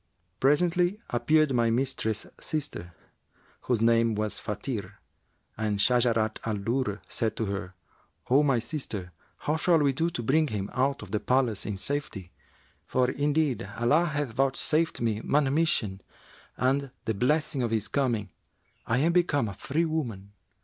Presently appeared my mistress's sister, whose name was Fбtir, and Shajarat al Durr said to her, 'O my sister, how shall we do to bring him out of the palace in safety; for indeed Allah hath vouchsafed me manumission and, by the blessing of his coming, I am become a free woman.'